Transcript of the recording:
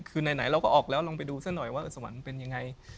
คือไหนเราก็ออกแล้วลองไปดูซะหน่อยว่าสวรรค์เป็นยังไง